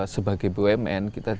sebagai bumn kita